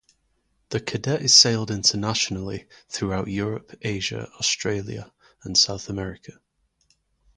The Cadet is sailed internationally throughout Europe, Asia, Australia and South America.